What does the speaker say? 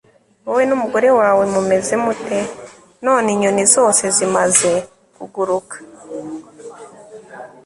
wowe n'umugore wawe mumeze mute, none inyoni zose zimaze kuguruka